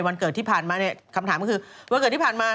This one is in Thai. วันเกิดที่ผ่านมาเนี่ยคำถามก็คือวันเกิดที่ผ่านมา